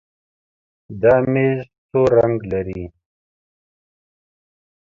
دا ميز تور رنګ لري.